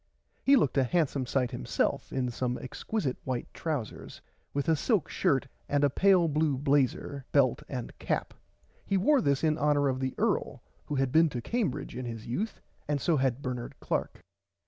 He looked a handsome sight himself in some exquisite white trousers with a silk shirt and a pale blue blazer belt and cap. He wore this in honour of the earl who had been to Cambridge in his youth and so had Bernard Clark.